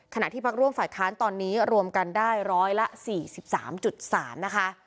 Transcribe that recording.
ที่พักร่วมฝ่ายค้านตอนนี้รวมกันได้ร้อยละ๔๓๓นะคะ